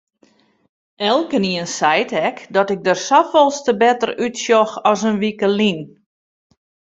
Elkenien seit ek dat ik der safolleste better útsjoch as in wike lyn.